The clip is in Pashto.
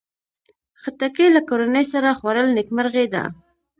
خټکی له کورنۍ سره خوړل نیکمرغي ده.